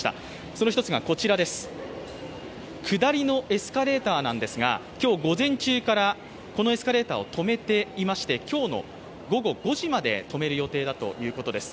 その１つがこちら、下りのエスカレーターなんですが、今日、午前中からこのエスカレーターを止めていまして今日の午後５時まで止める予定だということです。